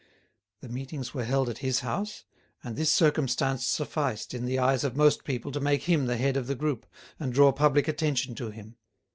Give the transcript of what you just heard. The meetings were held at his house, and this circumstance sufficed in the eyes of most people to make him the head of the group, and draw public attention to him.